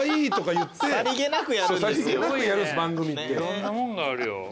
いろんなもんがあるよ。